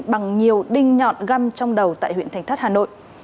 bằng nhiều đinh nhọn găm trong đầu tại huyện thành thất hà nội